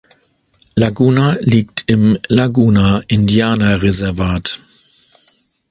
Laguna liegt im Laguna-Indianerreservat.